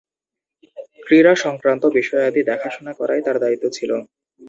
ক্রীড়া সংক্রান্ত বিষয়াদি দেখাশোনা করাই তার দায়িত্ব ছিল।